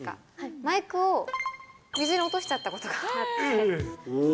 マイクを水に落としちゃったことがあって。